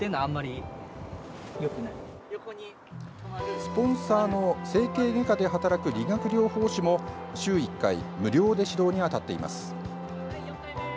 スポンサーの整形外科で働く理学療法士も週１回無料で指導に当たっています。